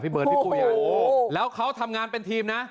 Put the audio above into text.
เบิร์ดพี่ปุ้ยแล้วเขาทำงานเป็นทีมนะ